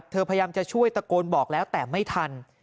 พยายามจะช่วยตะโกนบอกแล้วแต่ไม่ทัน